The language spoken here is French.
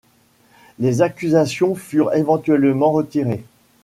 Les accusations furent éventuellement retirées.